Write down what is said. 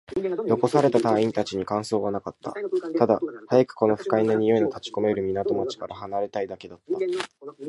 残された隊員達に感想はなかった。ただ、早くこの不快な臭いの立ち込める港町から離れたいだけだった。